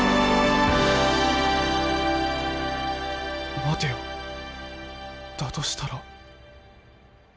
まてよだとしたら。